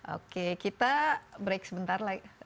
oke kita break sebentar lagi